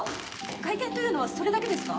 会見というのはそれだけですか？